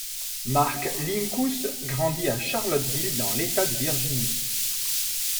Mark Linkous grandit à Charlottesville, dans l'État de Virginie.